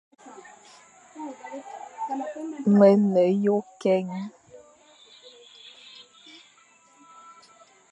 Me ne yʼôkeñ,